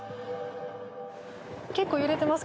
結構、揺れてます。